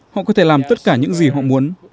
họ có thể làm tất cả những gì họ muốn